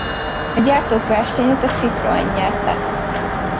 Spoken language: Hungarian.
A gyártók versenyét a Citroen nyerte.